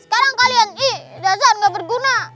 sekarang kalian ih dazan gak berguna